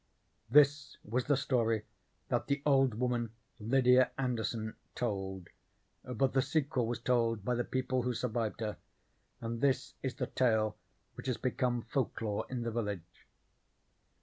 This was the story that the old woman, Lydia Anderson, told, but the sequel was told by the people who survived her, and this is the tale which has become folklore in the village.